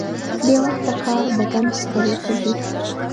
بې وخته کار بدن ستړی کوي.